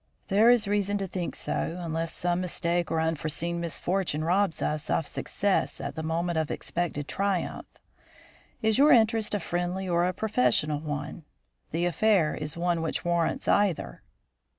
"There is reason to think so, unless some mistake or unforeseen misfortune robs us of success at the moment of expected triumph. Is your interest a friendly or a professional one? The affair is one which warrants either."